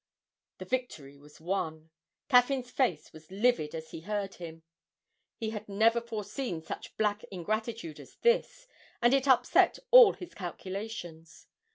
The victory was won. Caffyn's face was livid as he heard him he had never foreseen such black ingratitude as this, and it upset all his calculations.